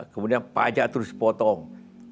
kemudian pajak terus potong